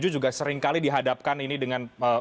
juga seringkali dihadapkan ini dengan